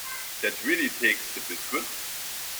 That really takes the biscuit